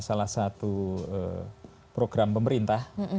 salah satu program pemerintah